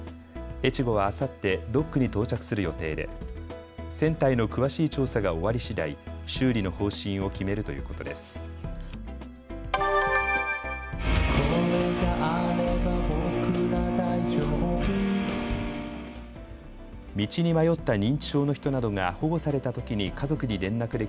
えちごは、あさってドックに到着する予定で船体の詳しい調査が終わりしだい修理の方針を決めるということです。